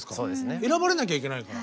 選ばれなきゃいけないから。